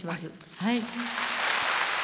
はい。